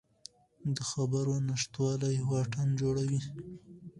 د خبرو نشتوالی واټن جوړوي